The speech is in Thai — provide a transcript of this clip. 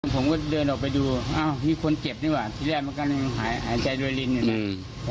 ผมก็เดินออกไปดูอ้าวมีคนเจ็บนี่หวะที่แรกมันก็หายใจโรดินอย่างนั้น